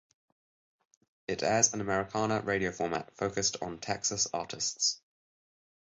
It airs an Americana radio format focused on Texas artists.